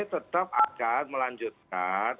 tetap akan melanjutkan